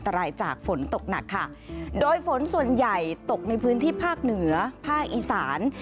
รายจากฝนตกหนักค่ะโดยฝนส่วนใหญ่ตกในพื้นที่ภาคเหนือภาคอีสาน